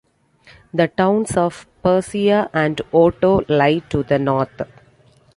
The towns of Persia and Otto lie to the north.